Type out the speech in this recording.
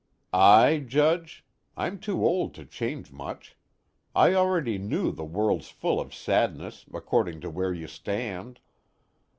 "I, Judge? I'm too old to change much. I already knew the world's full of sadness according to where you stand."